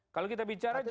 kalau kita bicara juga